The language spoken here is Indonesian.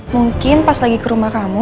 mungkin pas lagi ke rumah kamu